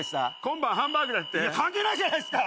関係ないじゃないっすか。